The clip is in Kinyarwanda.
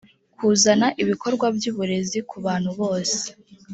kuzana ibikorwa by uburezi ku bantu bose